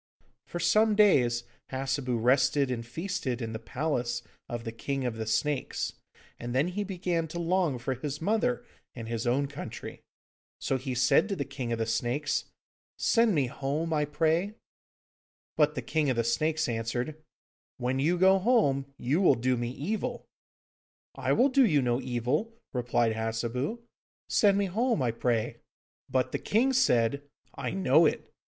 For some days Hassebu rested and feasted in the palace of the King of the Snakes, and then he began to long for his mother and his own country. So he said to the King of the Snakes, 'Send me home, I pray.' But the King of the Snakes answered, 'When you go home, you will do me evil!' 'I will do you no evil,' replied Hassebu; 'send me home, I pray.' But the king said, 'I know it.